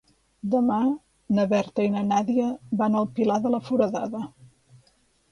Demà na Berta i na Nàdia van al Pilar de la Foradada.